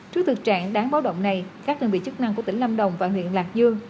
trước thực trạng đáng báo động này các đơn vị chức năng của tỉnh lâm đồng và huyện lạc dương